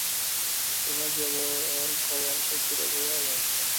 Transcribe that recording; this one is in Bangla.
উহা কেবল কল্যাণ শক্তির অপব্যবহার মাত্র।